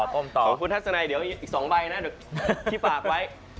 ขอบคุณทัศนัยเดี๋ยวอีก๒ใบนะที่ปากไว้